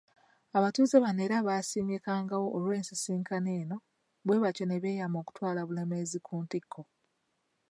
Abakulembeze bano era baasiimye Kkangaawo olw'ensisinkano eno bwebatyo ne beeyama okutwala Bulemeezi ku ntikko.